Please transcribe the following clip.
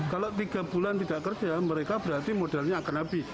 kalau tiga bulan tidak kerja mereka berarti modalnya akan habis